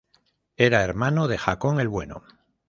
Era hermano de Haakon el Bueno.